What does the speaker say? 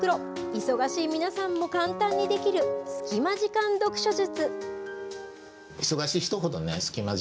忙しい皆さんも簡単にできるスキマ時間読書術。